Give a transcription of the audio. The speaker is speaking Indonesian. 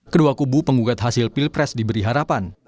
kedua kubu penggugat hasil pilpres diberi harapan